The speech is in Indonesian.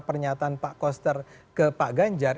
pernyataan pak koster ke pak ganjar